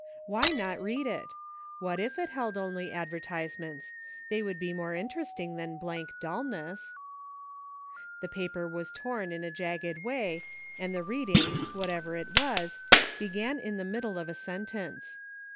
Why not read it } What if it held only adver tisements .• They would be more interesting than blank dullness. ENERGY AND FORCE. II5 The paper was torn in a jagged way, and the reading, whatever it was, began in the middle of a sentence.